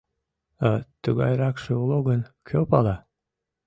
А тугайракше уло гын, кӧ пала!